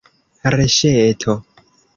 Reŝeto!